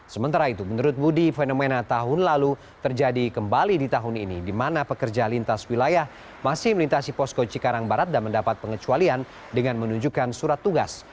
sementara itu menurut budi fenomena tahun lalu terjadi kembali di tahun ini di mana pekerja lintas wilayah masih melintasi posko cikarang barat dan mendapat pengecualian dengan menunjukkan surat tugas